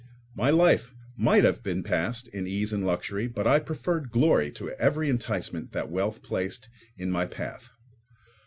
My life might have been passed in ease and luxury, but I preferred glory to every enticement that wealth placed in my path.